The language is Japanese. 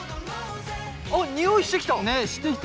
あっ匂いしてきた！